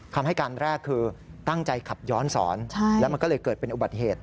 คำให้การแรกคือตั้งใจขับย้อนสอนแล้วมันก็เลยเกิดเป็นอุบัติเหตุ